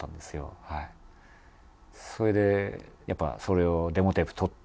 それでやっぱそれをデモテープ録って。